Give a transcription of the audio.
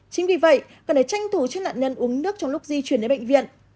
chính vì vậy cần để tranh thủ cho nạn nhân uống nước trong lúc di chuyển đến bệnh viện